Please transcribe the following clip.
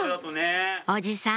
おじさん